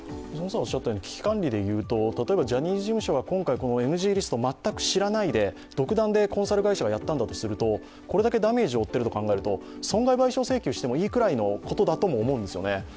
危機管理でいうと、例えばジャニーズ事務所がＮＧリストを全く知らないで独断でコンサル会社がやったんだとするとこれだけダメージを負っていると考えると損害賠償をしてもいいくらいのことだと思うんですよね。